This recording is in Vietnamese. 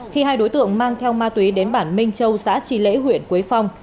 khi hai đối tượng mang theo ma túy đến bản minh châu xã tri lễ huyện quế phong